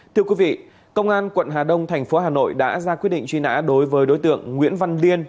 thưa quý vị công an quận hà đông thành phố hà nội đã ra quyết định truy nã đối với đối tượng nguyễn văn liên